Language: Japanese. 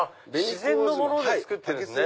自然のもので作ってるんですね！